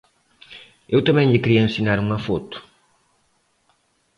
Eu tamén lle quería ensinar unha foto.